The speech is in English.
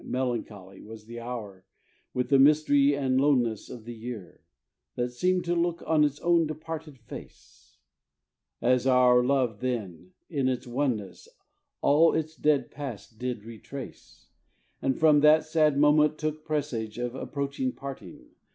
Melancholy was the hour With the mystery and loneness Of the year, that seemed to look On its own departed face; As our love then, in its oneness, All its dead past did retrace, And from that sad moment took Presage of approaching parting.